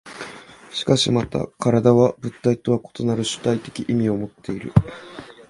しかしまた身体は物体とは異なる主体的意味をもっている。